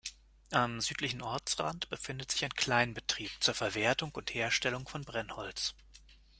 Am südlichen Ortsrand befindet sich ein Kleinbetrieb zur Verwertung und Herstellung von Brennholz.